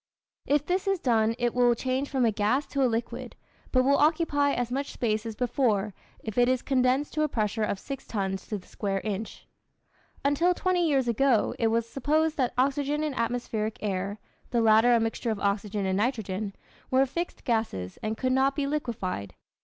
If this is done it will change from a gas to a liquid, but will occupy as much space as before, if it is condensed to a pressure of six tons to the square inch. Until twenty years ago it was supposed that oxygen and atmospheric air (the latter a mixture of oxygen and nitrogen) were fixed gases and could not be liquefied.